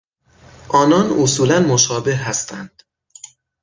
آنان اصولا مشابه هستند.